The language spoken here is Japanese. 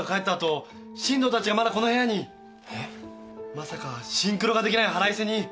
まさかシンクロができない腹いせに！？